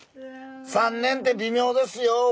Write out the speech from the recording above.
３年って微妙ですよ